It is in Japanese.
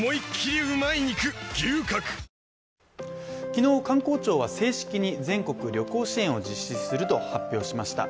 昨日観光庁は正式に、全国旅行支援を実施すると発表しました。